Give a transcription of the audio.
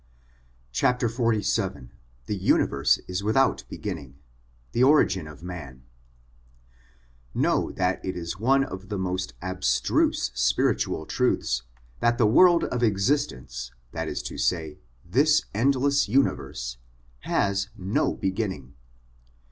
XLVII THE UNIVERSE IS WITHOUT BEGINNING THE ORIGIN OF MAN KNOW that it is one of the most abstruse spiritual truths that the world of existence, that is to say this endless universe, has no beginning.